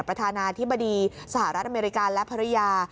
ประธานาธิบดีสหรัฐอเมริกาและภรรยา